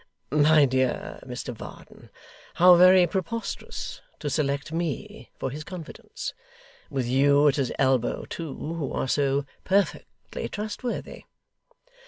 My dear Mr Varden, how very preposterous, to select me for his confidence! With you at his elbow, too, who are so perfectly trustworthy!